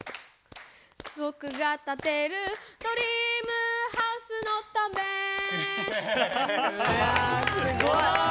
ぼくがたてるドリームハウスのためすごい！